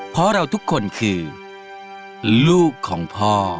เพราะเราทุกคนคือลูกของพ่อ